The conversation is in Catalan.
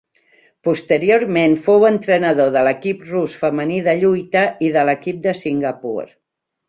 Posteriorment fou entrenador de l'equip rus femení de lluita i de l'equip de Singapur.